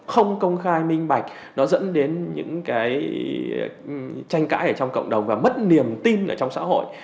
không công khai minh bạch nó dẫn đến những tranh cãi trong cộng đồng và mất niềm tin trong xã hội